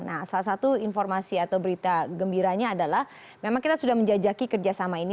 nah salah satu informasi atau berita gembiranya adalah memang kita sudah menjajaki kerjasama ini